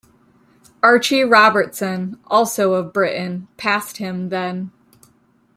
Archie Robertson, also of Britain, passed him then.